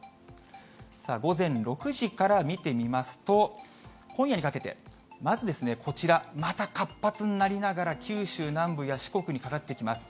午前６時から見てみますと、今夜にかけて、まずこちら、また活発になりながら、九州南部や四国にかかってきます。